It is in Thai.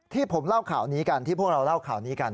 ที่ผมเล่าข่าวนี้กันที่พวกเราเล่าข่าวนี้กัน